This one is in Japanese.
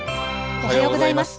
おはようございます。